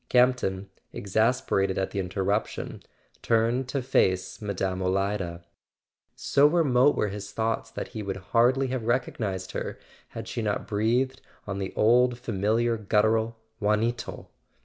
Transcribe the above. Campton, exasperated at the interruption, turned to face Mme. Olida. So remote were his thoughts that he would hardly have recognized her had she not breathed, on the old familiar guttural: "Juanito!"